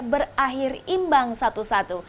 berakhir imbang satu satu